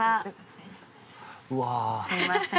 すいません。